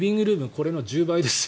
これの１０倍ですよ。